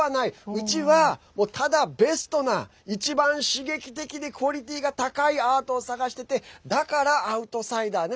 うちは、ただベストな一番刺激的でクオリティーが高いアートを探しててだからアウトサイダーね。